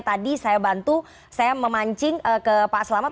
tadi saya bantu saya memancing ke pak selamat